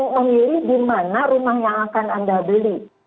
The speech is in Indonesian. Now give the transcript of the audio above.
memilih di mana rumah yang akan anda beli